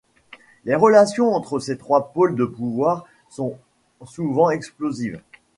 Les relations entre ces trois pôles de pouvoir sont souvent explosives.